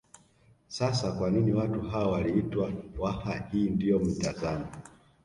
Sasa kwa nini watu hao waliitwa Waha hii ndiyo mitazamo